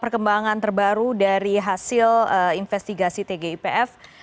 perkembangan terbaru dari hasil investigasi tgipf